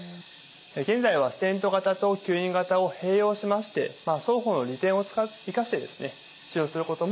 現在はステント型と吸引型を併用しまして双方の利点を生かしてですね使用することも多くあります。